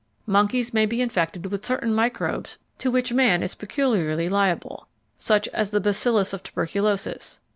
Monkeys may be infected with certain microbes to which man is peculiarly liable, such as the bacillus of tuberculosis.